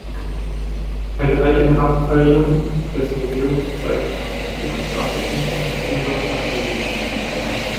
Eine eigene Abteilung des Museums zeigt Druckgrafiken zum Thema hl.